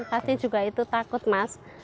pasti juga itu takut mas